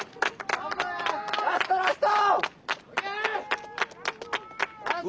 ラストラスト！